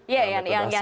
ya yang sekarang